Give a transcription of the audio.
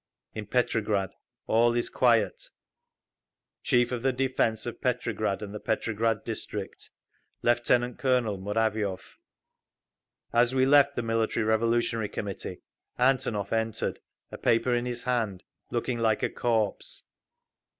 In Petrograd all is quiet. Chief of the Defence of Petrograd and the Petrograd District, Lieutenant Colonel Muraviov. As we left the Military Revolutionary Committee Antonov entered, a paper in his hand, looking like a corpse.